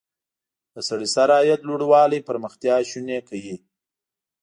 د سړي سر عاید لوړوالی پرمختیا شونې کوي.